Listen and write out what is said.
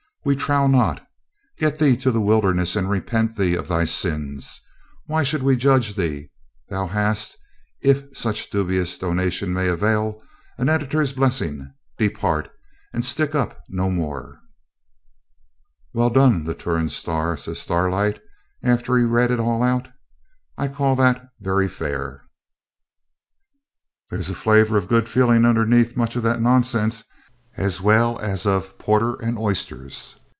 We trow not. Get thee to the wilderness, and repent thee of thy sins. Why should we judge thee? Thou hast, if such dubious donation may avail, an editor's blessing. Depart, and "stick up" no more. Well done, the "Turon Star"!' says Starlight, after he read it all out. 'I call that very fair. There's a flavour of good feeling underneath much of that nonsense, as well as of porter and oysters.